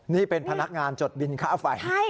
นี่เป็นพนักงานจดบินค่าไฟ